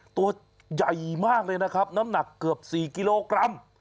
ตัวใหญ่มากเลยนะครับน้ำหนักเกือบ๔กิโลกรัม